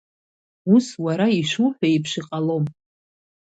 Ус, уара ишуҳәо еиԥш иҟалом.